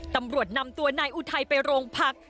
ตำรวจนำตัวนายอุทัยไปโรงพัก